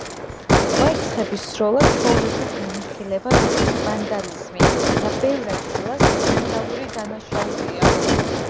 კვერცხების სროლა ჩვეულებრივ განიხილება როგორც ვანდალიზმი და ბევრ ადგილას კრიმინალური დანაშაულია.